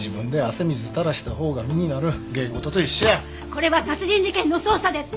これは殺人事件の捜査です！